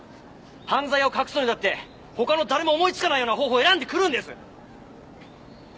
犯罪を隠すのにだって他の誰も思いつかないような方法を選んでくるんです！